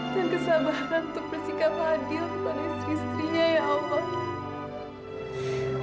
dan kesabaran untuk bersikap adil kepada istri istrinya ya allah